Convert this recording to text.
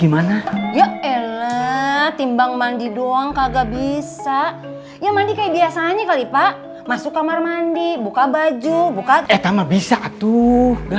salah sedikit waktu kemarin tych